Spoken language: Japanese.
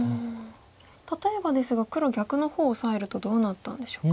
例えばですが黒逆の方オサえるとどうなったんでしょうか。